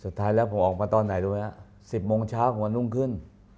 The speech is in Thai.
สุดท้ายแล้วก็ผมออกมาตอนไหนตอนนี้นะครับ๑๐โมงเช้าผมก็นุ่งขึ้น